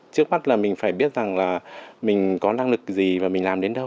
trước mắt là mình phải biết rằng là mình có năng lực gì và mình làm đến đâu